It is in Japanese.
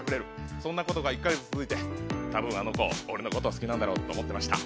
そんなことが１か月続いて多分あの子、俺のこと好きなんだろうと思ってました。